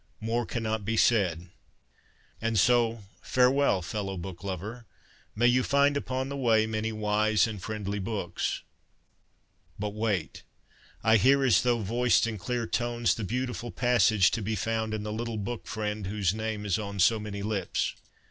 More cannot be said. And so farewell, fellow book lover. May you find upon the way many wise and friendly books. But wait ! I hear as though voiced in clear tones the beautiful passage to be found in the little book friend whose name is on so many lips.